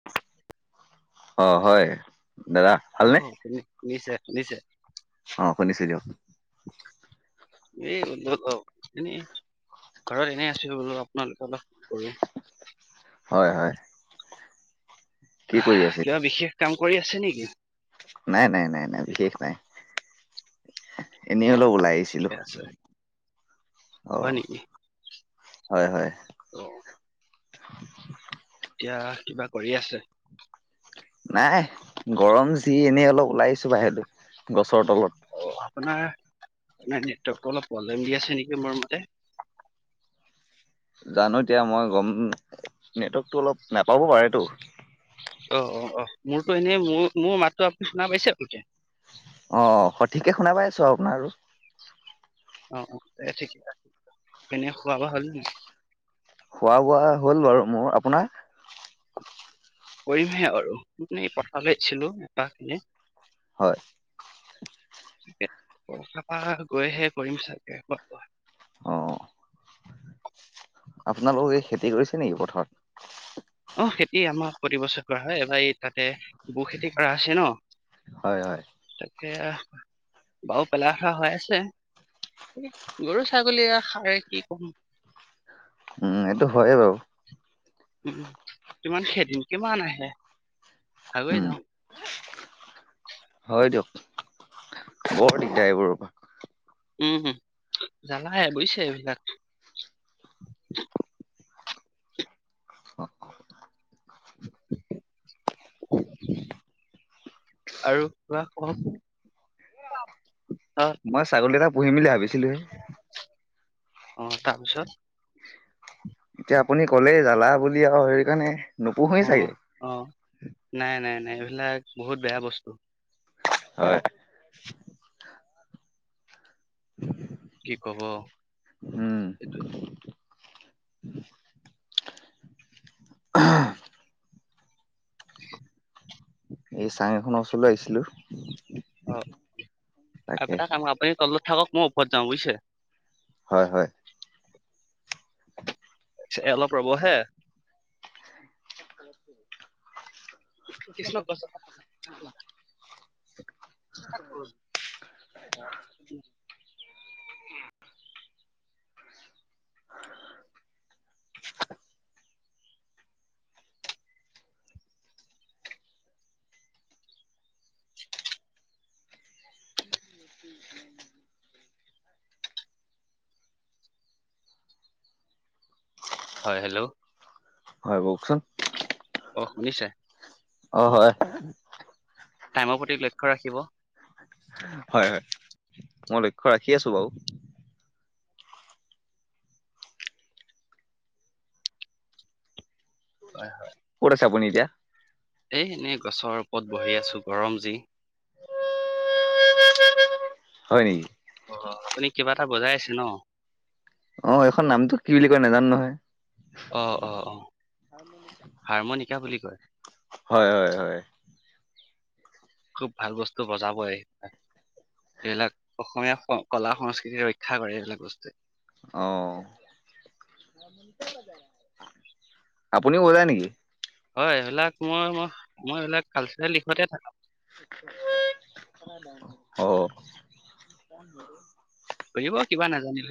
[inaudible] অ হয় দাদা ভালনে অহ নি নিচে নিচে। অ', শুনিছে দিয়ক। [inaudible] এই বল এনে ঘৰত এনেই আছো বোলো আপোনালোকে অলপ কৰ হয় হয়। কি কৰি আছে কিবা বিশেষ কাম কৰি আছে নেকি? নাই নাই নাই নাই বিশেষ নাই এনেই অ অলপ ওলাই আহিছিলো। ঠিকে আছে হয় অ', নেকি হয় হয় [inaudible] এতিয়া কিবা কৰি আছে? নাই গৰম যি এনেই অলপ ওলাইছো বাহিৰত গছৰ তলত অ', আপোনাৰ নেটকৰ্টো অলপ প্ৰব্লেম দি আছে নেকি মোৰ মতে জানো এতিয়া মই গম নেটৱৰ্কতটো অলপ নাপাব পাৰেটো অ', অ', অ', মোৰতো এনেই মোৰ মোৰ মাতো আপুনি শুনা পাইছে অ', সঠিকে শুনাপাই আছো আপোনাৰো অ', অ', ঠিকে এনে খোৱা বোৱা হল নি? খোৱা বোৱা হ'ল বাৰু মোৰ আপোনাৰ? কৰিমহে আৰু পঠ লছিলো এটা খিনি হয় তাৰপৰা গৈ হে কৰিম চাগে অ' আপোনালোকৰ এই খেতি কৰিছে নেকি পথাৰত? অ', খেতি আমাক প্ৰতি বছৰ কৰা হয় এইবাৰ এই তাতে বু খেতি কৰা আছে ন হয় হয় তাকে বাাৰু পেলাখা হৈ আছে গৰু ছাগলীয়ে সাৰে কি কম উম এইটো হয় বাৰু উম কিমান খেদিম কিমান আহে খাবে ন উম হয় দিয়ক বৰ দিগদাৰ এইবোৰৰ পৰা উম জালাহে বুজিছে এইবিলাক [inaudible] আৰু কোৱা অ', অ' মই ছাগলী এটা পুহিম বুলি ভাবিছিলোহে অ', তাৰপিছত? এতিয়া আপুনি ক'লেই জালা বুলি আৰু সেইৰিকাৰণে নোপোহো অ ছাগে। অ', নাই নাই নাই এইবিলাক বহুত বেয়া বস্তু হয়। কি কব উম সেইটোৱে এই চাং এখনৰ ওচৰলৈ আহিছিলো অ তাকে আৰুপটা কাম আপুনি তলত থাকক মই ওপৰত যাওঁ বুজিছে? হয় হয় ও অলপ ৰ'ব হে কৃষ্ণ পচন্দ এক ৰজ খ ৰ হয় হেল্ল' হয় কওকচোন অ শুনিছে? অ হয় টাইমৰ প্ৰতি লক্ষ্য ৰাখিব হয় হয় মই লক্ষ্য ৰাখি আছো বাৰু হয় হয় কত আছে আপুনি এতিয়া এই এনেই গছৰ ওপৰত বহি আছো গৰম যি হয় নেকি অ আপুনি কিবা এটা বজাই আছে ন অ এইখন নামটো কি বুলি কয় নাজানো নহয় অ অ অ হাৰমনিকা বুলি কয় হয় হয় হয় খুব ভাল বস্তু বজাবই এইবিলাক অসমীয়া কলা সংস্কৃতি ৰক্ষা কৰে এইবিলাক বস্তুৱে অ আপুনিও ওলায় নেকি হয় এইবিলাক মই মই মই এইবিলাক কালচাৰেল দিশতে থাকো অ ক বিব কিবা নাজানিব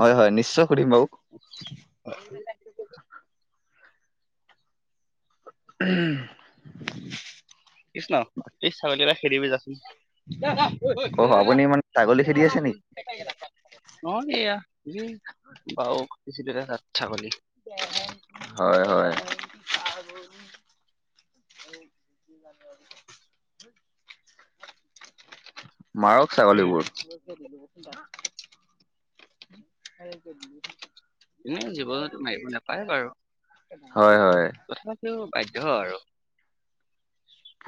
হয় হয় নিশ্চয় সুধম বাৰু হয় উম তছ ন ত ছাগলী বা খেদিবি যাচোন আহ অ অয়া আপুনি মানে ছাগলী খেদি আছে নেকি বাওছিল আচ্ছা কলি হয় হয় আৰু উ ধন্যবাদটো মাৰক ছাগলীবোৰ ৰিলোৰি এনে জীৱনতো মাৰিব নাপায় বাৰু হয় হয় তথাপাপিও বাধ্য আৰু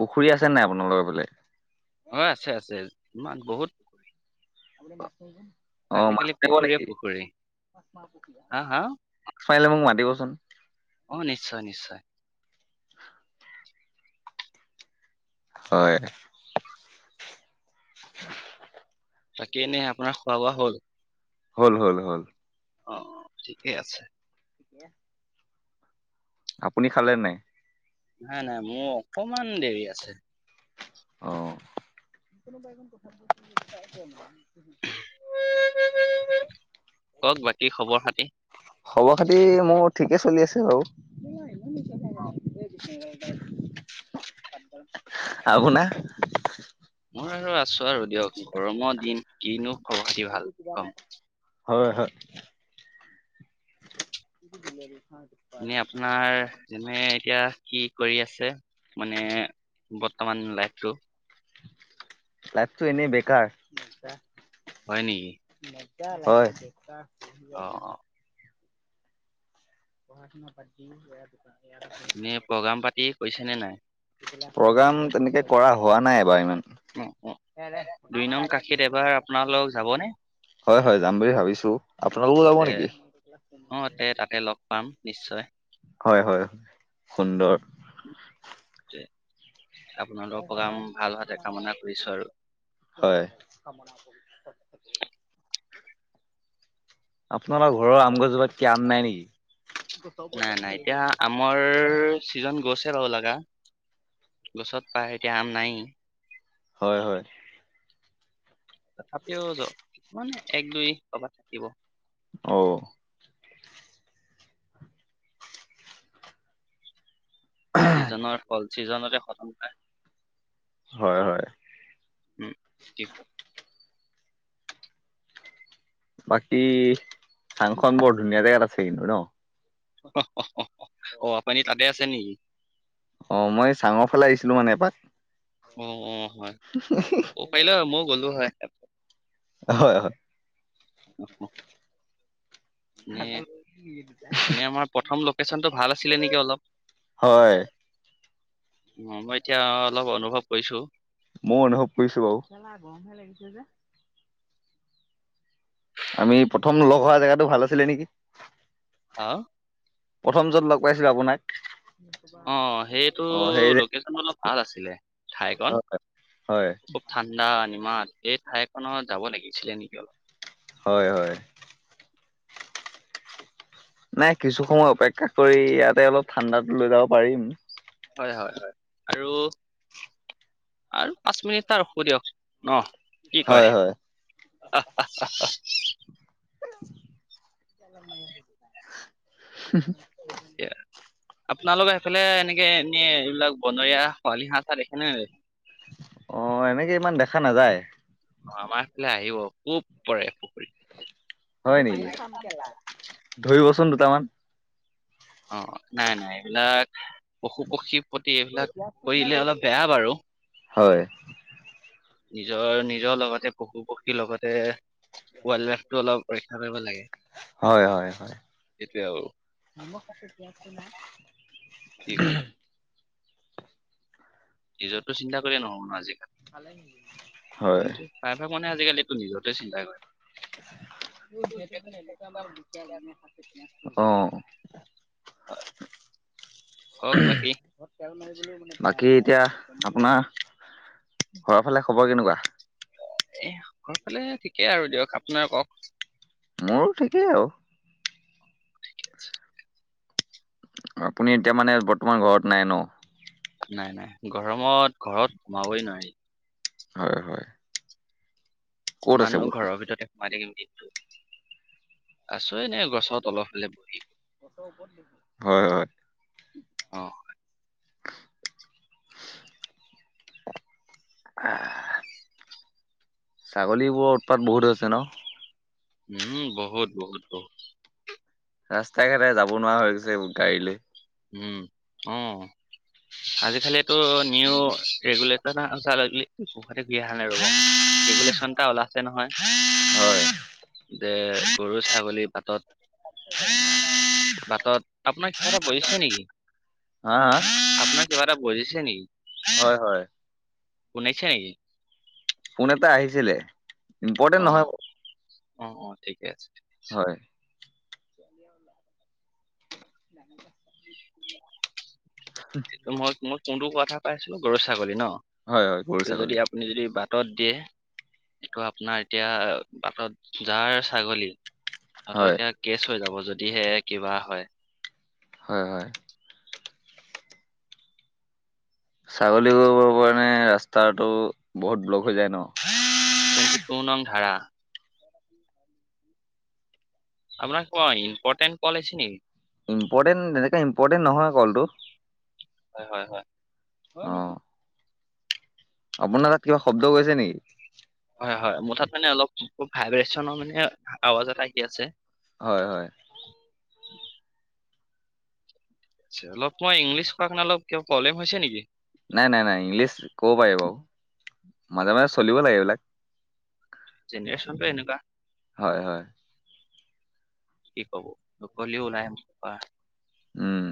পুখুৰী আছে নাই আপোনালোকৰ ফালে হয় আছে আছে তোমাক বহুত অ আজিকালি ন পুখুৰীয়ে পুখুৰী হা হা চাইিলে মোক মাতিবচোন অ নিশ্চয় নিশ্চয় হয় হয় তাকে এনে আপোনাৰ খোৱা, বোৱা হ'ল? হ'ল, হ'ল, হ'ল। অ, ঠিকেই আছে। আপুনি খালে নাই? নাই, নাই মোৰ অকমান দেৰি আছে। অ [unintelligible] [unintelligible] কওক বাকী খবৰ-খাতি? খবৰ-খাতি মোৰ ঠিকেই চলি আছে বাৰু। [inaudible] আৰু শুনা মই আৰু আছো আৰু দিয়ক গৰমৰ দম কিনো খব খাতি। সটোকিবান হয়, হয়। এনে আপোনাৰ এনে এতিয়া কি কৰি আছে মানে? বৰ্তমান লাইফটো লাইটো এনেই বেকাৰ হয় নেকি। হয়। অ', অ'। [inaudible] এনেই প্ৰগ্ৰাম পাতি কৰিছে নে নাই? প্ৰগ্ৰাম তেনেকে কৰা হোৱা নাইবাৰু ইমান। উ, দুই নং কাশিত এবাৰ আপোনাল লগ যাবনে? হয়, হয় যাম বুলি ভাবিছো আপোনালোকো যাব এ নেকি? অ, তে-তাতে লগ পাম নিশ্চয়। হয়, হয় সুন্দৰ। আপোনালোকৰ প্ৰগ্ৰাম ভাল হাতে কামনা কৰিছো আৰু। হয়। আপোনালোকৰ ঘৰৰ আম গছজোপাত ক আম নাই নাই নাই নেকি? এতিয়া আমৰ ছিজন গছে বাৰু লগা গছত পায় এতিয়া আম নাই। হয়, হয়। তথাপিও য কিছুমান এক, দুই কৰবাত থাকিব। অঔ। সিজনৰ ফল সিজনতে সতম পায়। হয়, হয়। [inaudible] বাকী থাংখনন বৰ ধুনীয়া জেগাত আছে হনো ন। অহ, পানী তাতে আছে নেকি? অ, মই চাঙৰ ফালে আহিছিলো মানে এপাত। অ', অ', হয় ক'ব পাৰিলে মই গ'লো হয়। হয়, হয়। অ'। এনে আমাৰ প্ৰথম লোকেশ্যনটো ভাল আছিলে নেকি অলপ হয়। অ, মই এতিয়া অলপ অনুভৱ কৰিছো। মই অনুভৱ কৰিছো বাৰুম যে আমি প্ৰথম লগ হোৱা জেগাতটো ভাল আছিলে নেকি? হা? প্ৰথম য'ত লগ পাইছিলো আপোনাক অ, সেইটো অ' সেই যে লোকেশচনটো অলপ ভাল আছিলে ঠাইকন। হয় হয়। খুব ঠাণ্ডা নিমাত এই ঠাইখনত যাব লাগিছিলে নেকি অলপ। হয় হয়। নাই কিছু সময় অপেক্ষা কৰি ইয়াতে অলপ ঠাণ্ডাো লৈ যাব পাৰিম। হয়, হয়, হয়, আৰু আৰু পাঁচ মিনিটটা ৰখো দিয়ক ন কি হয় কয়? হয় [inaudible] এয়া আপোনালোকৰ এইফালে এনেকে এনে এইবিলাক বনৰীয়া খৰালি হাঁহ চাহ দেখে নে? অ, এনেকে ইমান দেখা নাযায়। অ, আমাৰ ফালে আহিব খুব পৰে পুখুৰীত। হয় নেকি? ধৰিবচোন দুটামান। অ, নাই নাই এইবিলাক পশু পক্ষীৰ প্ৰতি এইবিলাক কৰিলে অলপ বেয়া বাৰু। হয়। নিজৰ নিজৰ লগতে পশু পক্ষীৰ লগতে ৱাইল্ড লাইফতটো অলপ ৰক্ষা কৰিব লাগে। হয়, হয়, হয়। [inaudible] সেইটোৱে আৰু কি কম নিজৰতো চিন্তা কৰিলে নহব ন আজিকাল হয়। প্ৰাইভাগ মানে আজিকালিতটো নিজৰতোৱে চিন্তা কৰে। [inaudible] অ, কওক বাকি? বাকী এতিয়া আপোনাৰ ঘৰৰ ফালে খবৰ কেনেকুৱা? এ ঘৰ ফালে ঠিকেই আৰু দিয়ক আপোনাৰ কওক? মোৰো ঠিকে আৰু। [unintelligible] আপুনি এতিয়া মানে বৰ্তমান ঘৰত নাই ন? নাই, নাই, গৰমত ঘৰত সোমাবই নোৱাৰি। হয়, হয়। ক'ত কিমান আছে নো বৰ্ত ঘৰৰ ভিতৰতে [inaudible] আছোঁ এনে গছৰ তলৰ ফালে বহি। হয়, হয়। অ, অ, ছাগলীবোৰৰ উৎপাত বহুত হৈছে ন? উম, বহুত বহুত বহুত। ৰাস্তা ঘাটে যাব নোৱাৰা হৈ গৈছে গাড়ী লৈ। উম, অ, আজিকালিটো নিউ ৰেগুলেটৰ [inaudible] নাই ৰ'বা। ৰেগুলেশ্যনটা ওলাইছে নহয়। হয়। যে গৰু ছাগলী বাতত বাটত আপোনাৰ কিবা এটা বজিছে নেকি? হা? আপোনাৰ কিবা এটা বুজিছে নেকি? হয়, হয়। শুনাইছে নেকি? পোন এটা আহিছিলে। ইম্পৰ্টেণ্ট নহয় অ', অ, অ, ঠিকে আছে। হয়। [inaudible] সটো মই কোনটো কথা পাইছিলো গৰু ছাগলী ন হয় হয় গৰু তো যদি ছাগলী আপুনি যদি বাটত দিয়ে এইটো আপোনাৰ এতিয়া বাটত যাৰ ছাগলী তহঁতৰ হয় এতিয়া কেচ হৈ যাব যদিহে কিবা হয়। হয় হয়। ছাগলী কাৰণে ৰাস্তাটো বহুত ব্লক হৈ যায় ন টুৱেন্টি টো নং ধাৰা [inaudible] আপোনাৰ ক ইম্পৰ্টেণ্ট কলেজ নি ইম্পৰ্টেণ্ট এনেকৈ ইম্পৰ্টেণ্ট নহয় কলটো হয় হয় হয়। অ' আপোনাৰ তাত কিবা শব্দ কৈছে নেকি? হয় হয় মোৰ তাত মানে অলপ ভাইব্ৰেচনৰ মানে আৱাজ এটা কি আছে। হয় হয়। আ অলপ মই ইংলিছ ক নে অলপ কিবা প্ৰব্লেম হৈছে নেকি? নাই নাই নাই ইংলিছ ক'ব পাৰি বাৰু মাজে মাজে চলিব লাগে এইবিলাক। জেনেৰেশ্যনটো এনেকুৱা। হয় হয়। কি কব নকলেও ওলাই উম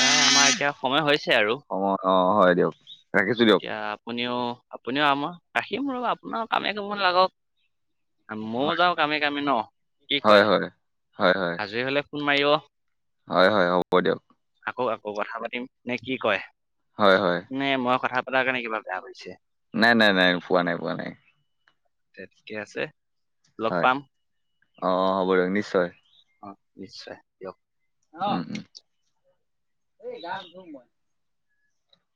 প্ৰায় আমাৰ এতিয়া সময় হৈছে আৰু। সময় অ', হয় দিয়ক ৰাখিছো দিয়ক। এতিয়া আপুনিও আপুনিও আমাৰ ৰাখিম ৰ আপোনাৰ কামে কৰিব নালাগক। হয়। ময়ও যাও কামে কামে ন কি হয় কয় হয় হয় হয় আজৰি হলে ফোন মাৰিব। হয় হয় হ'ব দিয়ক। আকৌ আকৌ কথা পাতিম নে কি কয়। হয় হয়। নে মই কথা পতাৰ কাৰণে কিবা বেয়া পাইছে। নাই নাই নাই পোৱা নাই পোৱা নাই। তে ঠিকে আছে। লগ হয় পাম অ', অ', হ'ব দিয়ক নিশ্চয়। অ', নিশ্চয় দিয়ক। অ', এই গান ম মই